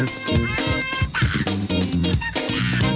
สวัสดีค่ะ